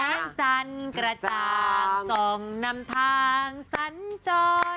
แสงจันกระจางส่งนำทางสัญจร